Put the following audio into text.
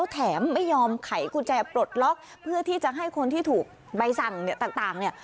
แถมไม่ยอมไขกุญแจปลดล็อกเพื่อที่จะให้คนที่ถูกใบสั่งเนี่ยต่างเนี่ย